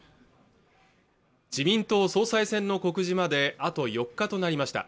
自民党総裁選の告示まであと４日となりました